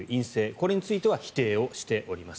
これについては否定をしております。